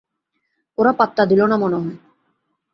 ওরা পাত্তা দিল না মনে হয়।